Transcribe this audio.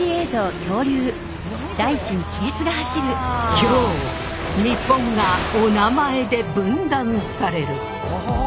今日日本がおなまえで分断される。